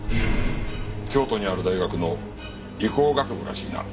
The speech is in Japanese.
京都にある大学の理工学部らしいな。